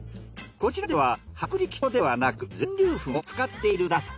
こちらでは薄力粉ではなく全粒粉を使っているんだそう。